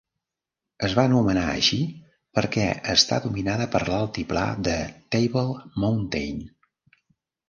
Es va anomenar així perquè està dominada per l'altiplà de Table Mountain.